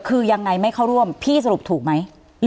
คือยังไงไม่เข้าร่วมพี่สรุปถูกไหม